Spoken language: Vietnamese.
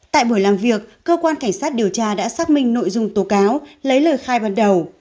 tại buổi làm việc cơ quan cảnh sát điều tra đã xác minh nội dung tố cáo lấy lời khai ban đầu